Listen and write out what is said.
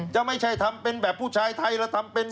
จะไม่ใช่ทำเป็นแบบผู้ชายไทยแล้วทำเป็น